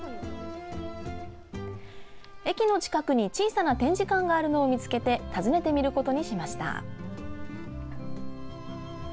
駅の近くに小さな展示館があるのを見つけて訪ねてみることにしました。